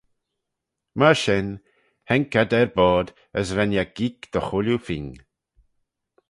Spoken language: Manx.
Myr shen haink ad er boayrd as ren eh geeck dy chooilley phing.